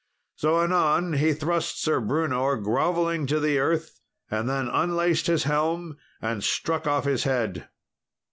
So anon he thrust Sir Brewnor grovelling to the earth, and then unlaced his helm and struck off his head.